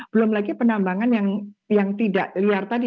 belum lagi penambangan yang tidak liar tadi